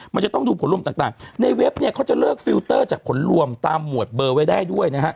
มันจะต้องดูผลรวมต่างในเว็บเนี่ยเขาจะเลิกฟิลเตอร์จากผลรวมตามหมวดเบอร์ไว้ได้ด้วยนะฮะ